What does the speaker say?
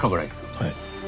はい。